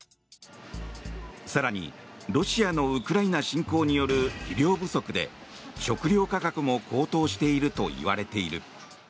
更に、ロシアのウクライナ侵攻による肥料不足で食料価格も高騰しているといわれている。